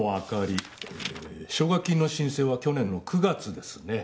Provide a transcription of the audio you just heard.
奨学金の申請は去年の９月ですね。